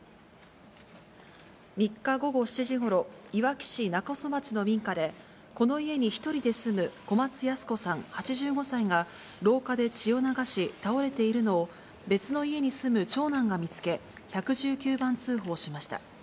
３日午後７時ごろ、いわき市勿来町の民家で、この家に１人で住む、小松ヤス子さん８５歳が、廊下で血を流し倒れているのを別の家に住む長男が見つけ、１１９番通報しました。